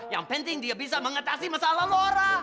yang penting dia bisa mengatasi masalah lora